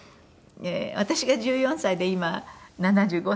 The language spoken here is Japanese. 私が１４歳で今７５歳で。